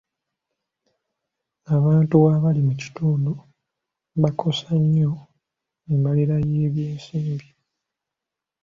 Abantu abali mu kitundu bakosa nnyo embalirira y'ebyensimbi.